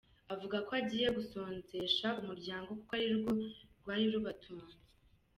Avuga ko agiye gusonzesha umuryango kuko ari rwo rwari rubatunze.